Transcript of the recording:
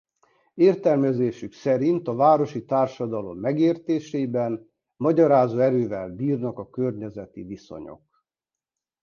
Értelmezésük szerint a városi társadalom megértésében magyarázó erővel bírnak a környezeti viszonyok.